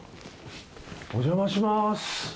お邪魔します。